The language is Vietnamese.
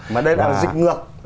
mà đây là dịch ngược